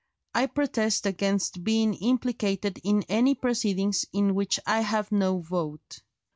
I protest against being implicated in any proceedings in which I have no vote."